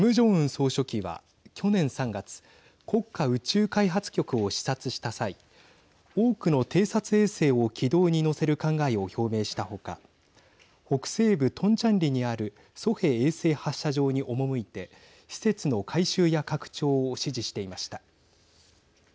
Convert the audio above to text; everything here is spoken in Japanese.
総書記は去年３月国家宇宙開発局を視察した際多くの偵察衛星を軌道に乗せる考えを表明した他北西部トンチャンリにあるソヘ衛星発射場に赴いて施設の改修や拡張を指示していました。